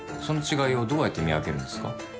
その違いをどうやって見分けるんですか？